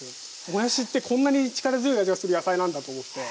もやしってこんなに力強い味がする野菜なんだと思って。